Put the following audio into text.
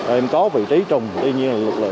em có vị trí